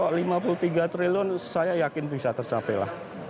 kalau lima puluh tiga triliun saya yakin bisa tercapai lah